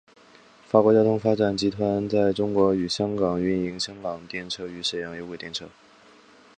法国交通发展集团在中国与香港营运香港电车与沈阳有轨电车。